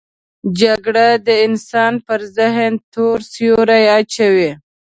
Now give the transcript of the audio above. جګړه د انسان پر ذهن تور سیوری اچوي